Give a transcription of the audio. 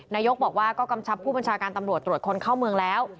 นายกบอกว่าก็กำชับผู้บัญชาการตำรวจตรวจคนเข้าเมืองแล้ว